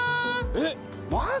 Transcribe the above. えっ？